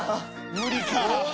無理か。